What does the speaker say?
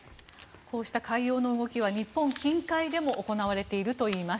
こうした海洋の動きは日本近海でも行われているといいます。